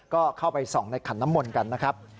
ก็เข้าไปส่องในขันน้ำมนต์กันนะครับ